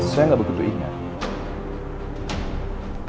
saya gak begitu ingat